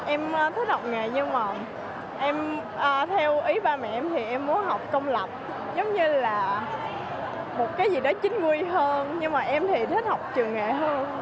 em thấy học nghề nhưng mà em theo ý ba mẹ em thì em muốn học công lập giống như là một cái gì đó chính nguy hơn nhưng mà em thì thích học trường nghề hơn